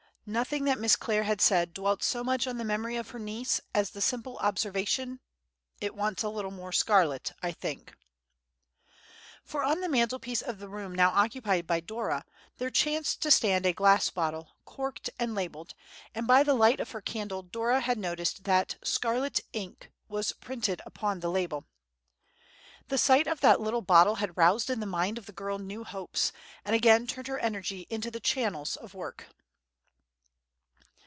Nothing that Miss Clare had said dwelt so much on the memory of her niece as the simple observation, "It wants a little more scarlet, I think." For on the mantelpiece of the room now occupied by Dora, there chanced to stand a glass bottle, corked and labelled; and by the light of her candle Dora had noticed that "SCARLET INK" was printed upon the label. The sight of that little bottle had roused in the mind of the girl new hopes, and again turned her energies into the channel of work.